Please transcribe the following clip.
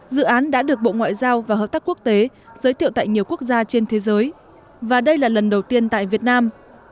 dự án đã được bộ ngoại giao và hợp tác quốc tế giới thiệu tại nhiều quốc gia trên thế giới và đây là lần đầu tiên tại việt nam